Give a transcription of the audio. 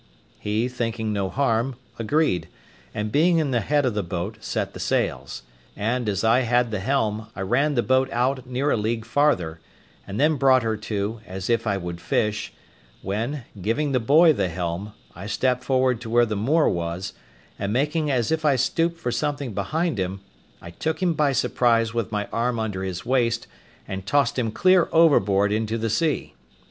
He, thinking no harm, agreed, and being in the head of the boat, set the sails; and, as I had the helm, I ran the boat out near a league farther, and then brought her to, as if I would fish; when, giving the boy the helm, I stepped forward to where the Moor was, and making as if I stooped for something behind him, I took him by surprise with my arm under his waist, and tossed him clear overboard into the sea.